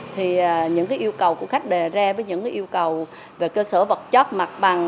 thì những yêu cầu của khách đề ra với những yêu cầu về cơ sở vật chất mặt bằng